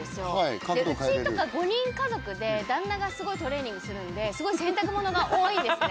うちとか５人家族で旦那がすごいトレーニングするんですごい洗濯物が多いんですね。